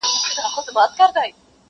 کورونا چي پر دنیا خپل وزر خپور کړ!!